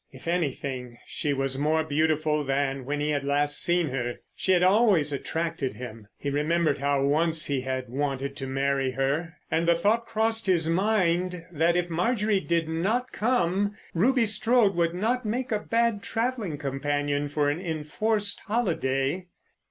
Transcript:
If anything, she was more beautiful than when he had last seen her. She had always attracted him. He remembered how once he had wanted to marry her. And the thought crossed his mind that if Marjorie did not come Ruby Strode would not make a bad travelling companion for an enforced holiday.